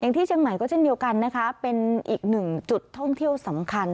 ที่เชียงใหม่ก็เช่นเดียวกันนะคะเป็นอีกหนึ่งจุดท่องเที่ยวสำคัญ